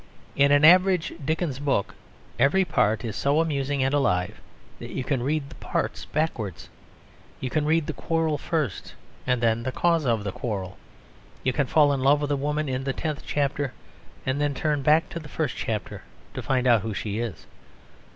In an average Dickens book every part is so amusing and alive that you can read the parts backwards; you can read the quarrel first and then the cause of the quarrel; you can fall in love with a woman in the tenth chapter and then turn back to the first chapter to find out who she is.